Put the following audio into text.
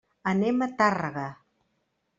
Anem a Tàrrega.